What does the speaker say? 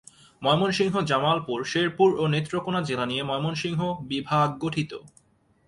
ময়মনসিংহ, জামালপুর, শেরপুর ও নেত্রকোণা জেলা নিয়ে ময়মনসিংহ বিভাগ গঠিত।